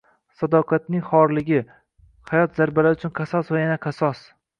sadoqatning xorligi, hayot zarbalari uchun qasos va yana qasos…